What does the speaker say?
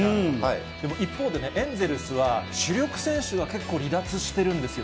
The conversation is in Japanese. でも一方でね、エンゼルスは主力選手が結構、離脱してるんですよ。